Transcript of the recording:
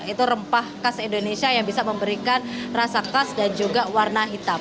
itu rempah khas indonesia yang bisa memberikan rasa khas dan juga warna hitam